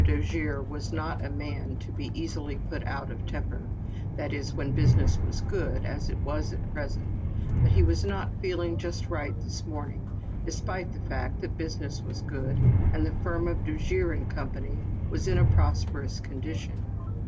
Do jere was not a man to be easily put out of tem per, that is when business was good, as it was at present, but he was not feeling just right this morning, despite the fact that business was good and the firm of Dojere & Co. was in a prosper ous condition.